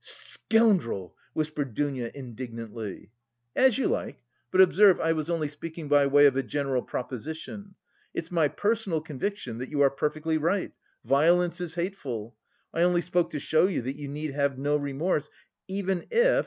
"Scoundrel!" whispered Dounia indignantly. "As you like, but observe I was only speaking by way of a general proposition. It's my personal conviction that you are perfectly right violence is hateful. I only spoke to show you that you need have no remorse even if...